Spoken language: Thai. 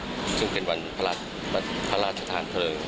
วันที่๒๐ซึ่งเป็นวันพระราชทธานเพลิง